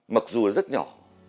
mặc dù là rất nhỏ